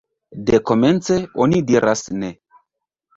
Dekomence, oni diras Ne!